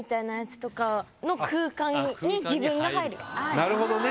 なるほどね！